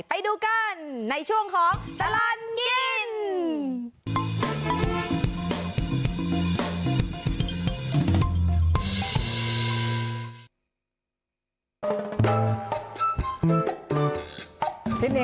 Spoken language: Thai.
ไปดูกันในช่วงของตลอดกิน